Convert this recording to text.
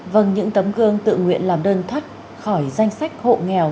vâng những tấm gương tự nguyện làm đơn thoát khỏi danh sách hộ nghèo